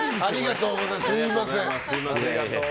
すみません。